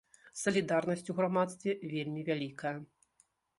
Салідарнасць у грамадстве вельмі вялікая.